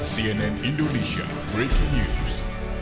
siren indonesia breaking news